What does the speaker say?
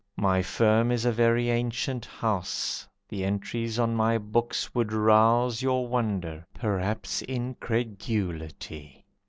My firm is a very ancient house, The entries on my books would rouse Your wonder, perhaps incredulity.